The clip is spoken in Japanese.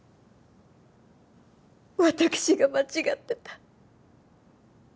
私が間違ってた。